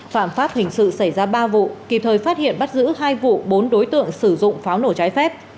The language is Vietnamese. phạm pháp hình sự xảy ra ba vụ kịp thời phát hiện bắt giữ hai vụ bốn đối tượng sử dụng pháo nổ trái phép